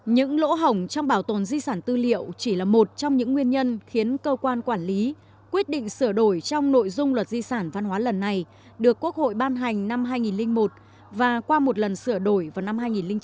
những lỗ hỏng trong bảo tồn di sản tư liệu chỉ là một trong những nguyên nhân khiến cơ quan quản lý quyết định sửa đổi trong nội dung luật di sản văn hóa lần này được quốc hội ban hành năm hai nghìn một và qua một lần sửa đổi vào năm hai nghìn chín